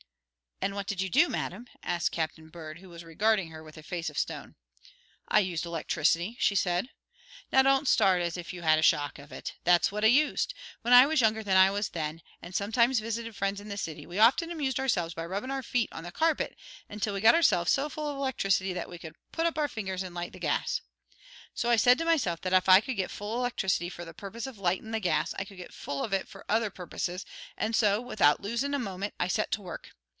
"And what did you do, madam?" asked Captain Bird, who was regarding her with a face of stone. "I used electricity," she said "Now don't start as if you had a shock of it. That's what I used. When I was younger than I was then, and sometimes visited friends in the city, we often amused ourselves by rubbing our feet on the carpet until we got ourselves so full of electricity that we could put up our fingers and light the gas. So I said to myself that if I could get full of electricity for the purpose of lightin' the gas I could get full of it for other purposes, and so, without losin' a moment, I set to work.